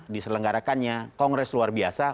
diselenggarakannya kongres luar biasa